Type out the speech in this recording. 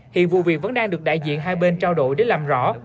hiện vụ việc vẫn đang được đại diện hai bên trao đổi để làm rõ